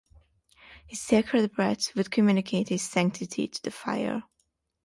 His sacred breath would communicate it’s sanctity to the fire.